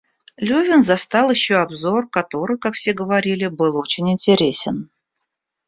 Левин застал еще обзор, который, как все говорили, был очень интересен.